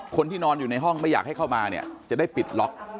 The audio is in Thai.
คนที่นอนอยู่ในห้องไม่อยากให้เข้ามาเนี่ยจะได้ปิดล็อก